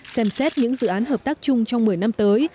xem xét những dự án hợp tác chung trong một mươi năm tới